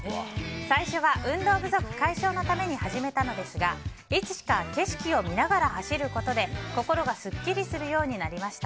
最初は運動不足解消のために始めたのですがいつしか景色を見ながら走ることで心がスッキリするようになりました。